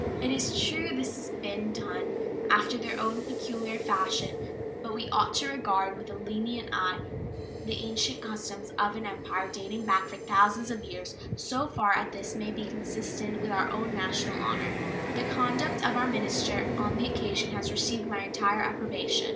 It is true this has been done after their own peculiar fashion; but we ought to regard with a lenient eye the ancient customs of an empire dating back for thousands of years, so far as this may be consistent with our own national honor. The conduct of our minister on the occasion has received my entire approbation.